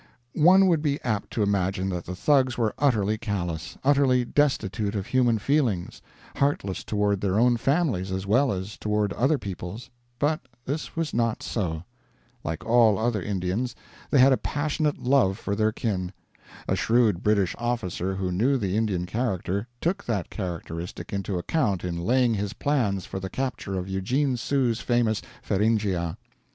One would be apt to imagine that the Thugs were utterly callous, utterly destitute of human feelings, heartless toward their own families as well as toward other people's; but this was not so. Like all other Indians, they had a passionate love for their kin. A shrewd British officer who knew the Indian character, took that characteristic into account in laying his plans for the capture of Eugene Sue's famous Feringhea.